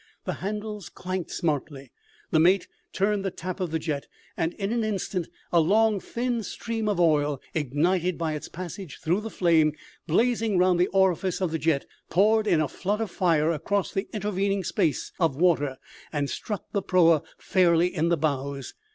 The handles clanked smartly; the mate turned the tap of the jet; and in an instant a long thin stream of oil, ignited by its passage through the flame blazing round the orifice of the jet, poured in a flood of fire across the intervening space of water, and struck the proa fairly in the bows.